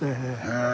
へえ！